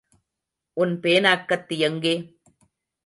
உன் பேனாக்கத்தி எங்கே?